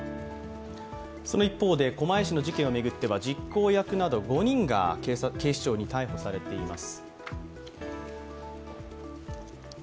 その一方で狛江市の事件を巡っては実行役など５人が警視庁に逮捕されています。